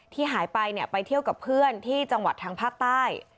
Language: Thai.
ที่หายไปไปเที่ยวกับเพื่อนที่จังหวัดทางภาคใต้